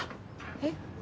えっ？